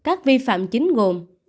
các vi phạm chính gồm